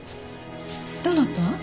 どなた？